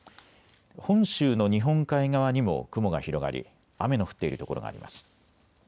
本州の日本海側にも雲が広がり雨の降っている所があります。